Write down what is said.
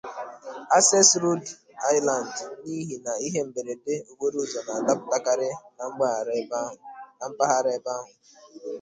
'Access Road Island' n'ihi na ihe mberede okporoụzọ na-adapụtakarị na mpaghara ebe ahụ.